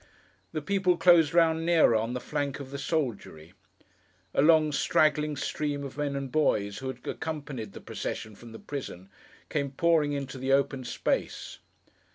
The people closed round nearer, on the flank of the soldiery. A long straggling stream of men and boys, who had accompanied the procession from the prison, came pouring into the open space.